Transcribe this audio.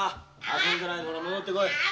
遊んでないで戻ってこい。